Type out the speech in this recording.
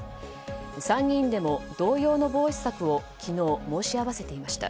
参議院でも、同様の防止策を昨日、申し合わせていました。